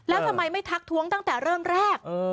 แล้วทำไมไม่ทักท้วงตั้งแต่เริ่มแรก